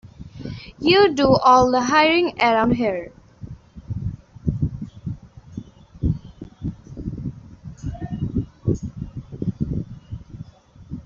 You do all the hiring around here.